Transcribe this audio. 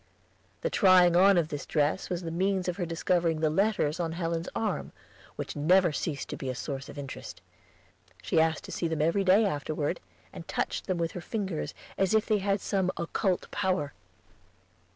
The trying on of this dress was the means of her discovering the letters on Helen's arm, which never ceased to be a source of interest. She asked to see them every day afterward, and touched them with her fingers, as if they had some occult power.